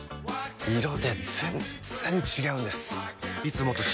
色で全然違うんです！